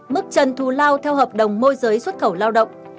mức trần thù lao theo hợp đồng môi giới xuất khẩu lao động